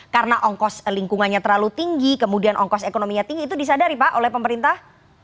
karena ongkos lingkungannya terlalu tinggi kemudian ongkos ekonominya tinggi itu disadari pak oleh pemerintah